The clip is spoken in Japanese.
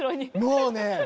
もうね！